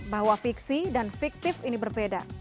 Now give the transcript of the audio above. bahwa fiksi dan fiktif ini berbeda